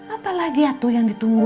apalagi atuh yang ditunggu